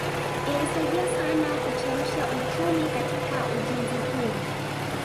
Ilisaidia sana kuchemsha uchumi katika ujenzi huo